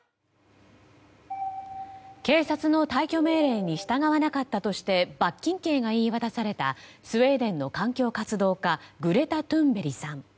警察の退去命令に従わなかったとして罰金刑が言い渡されたスウェーデンの環境活動家グレタ・トゥーンベリさん。